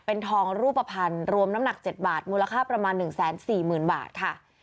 เป็นทองรูปภัณฑ์รวมน้ำหนัก๗บาทมูลค่าประมาณ๑๔๐๐๐บาทค่ะ